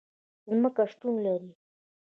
ځمکه شتون لري